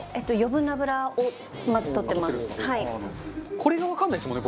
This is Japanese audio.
これが、わからないですもんね